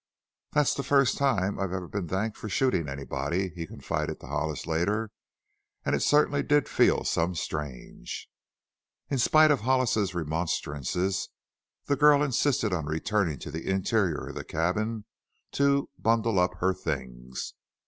"That's the first time I've ever been thanked for shootin' anybody!" he confided to Hollis, later. "An' it cert'nly did feel some strange!" In spite of Hollis's remonstrances the girl insisted on returning to the interior of the cabin, to "bundle up her things."